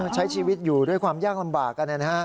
ใช้ชีวิตอยู่ด้วยความยากลำบาก